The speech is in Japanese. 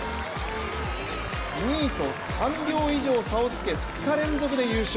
２位と３秒以上差をつけ２日連続で優勝。